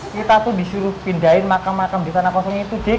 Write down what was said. kita tuh disuruh pindahin makam makam di tanah kosong itu jk